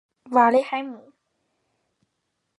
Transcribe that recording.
瓦勒海姆。